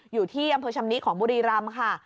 อยู่ที่อำเภอชำนิของบุรีรำค่ะ